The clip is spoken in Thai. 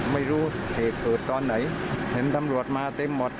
ไม่รู้เหตุเกิดตอนไหนเห็นตำรวจมาเต็มหมด